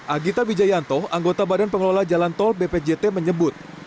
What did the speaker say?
agita wijayanto anggota badan pengelola jalan tol bpjt menyebut